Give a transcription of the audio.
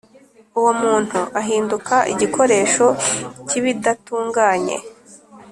uwo muntu ahinduka igikoresho cy’ibidatunganye